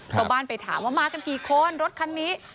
ชาวบ้านไปถามว่ามากันกี่คนรถคันนี้